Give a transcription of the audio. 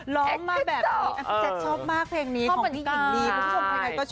ล้อมมาแบบชอบมากเพลงนี้ของพี่หญิงลี